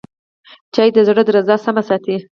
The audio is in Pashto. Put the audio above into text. چای د زړه درزا سمه ساتي